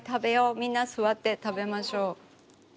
みんな座って食べましょう。